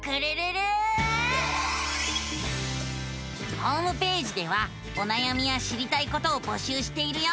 ホームページではおなやみや知りたいことを募集しているよ。